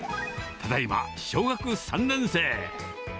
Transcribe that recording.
ただいま小学３年生。